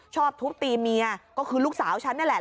ทุบตีเมียก็คือลูกสาวฉันนี่แหละ